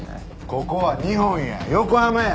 ここは日本や横浜や。